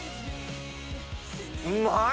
うまい！